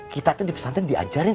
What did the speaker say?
kita kan di pesantren diajarin